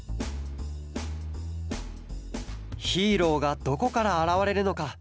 ヒーローがどこからあらわれるのか？